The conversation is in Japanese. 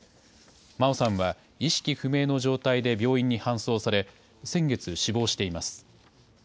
真愛さんは、意識不明の状態で病院に搬送され、先月、死亡しています。